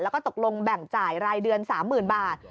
แล้วก็ตกลงแบ่งจ่ายรายเดือน๓๐๐๐บาท